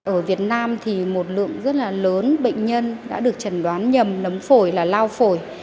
ở việt nam thì một lượng rất là lớn bệnh nhân đã được trần đoán nhầm nấm phổi là lao phổi